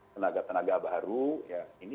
tenaga tenaga baru ini